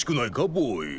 ボーイ。